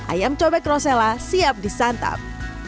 ayam cobek rosella siap disantap